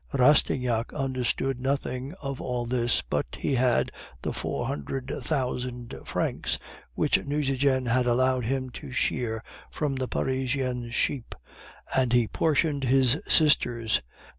"Rastignac understood nothing of all this, but he had the four hundred thousand francs which Nucingen had allowed him to shear from the Parisian sheep, and he portioned his sisters.